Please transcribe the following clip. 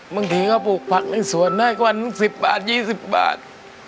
บางทีเขาปลูกผักในสวนได้วัน๑๐บาท๒๐บาท